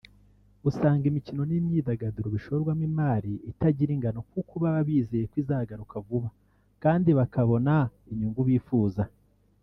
usanga imikino n’imyidagaduro bishorwamo imari itagira ingano kuko baba bizeye ko izagaruka vuba kandi bakabona inyungu bifuza